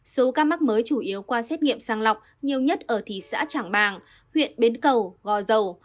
số ca mắc mới chủ yếu qua xét nghiệm sàng lọc nhiều nhất ở thị xã trảng bàng huyện bến cầu gò dầu